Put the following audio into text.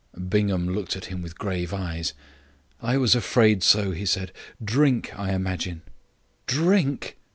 Bingham looked at him with grave eyes. "I was afraid so," he said. "Drink, I imagine." "Drink!"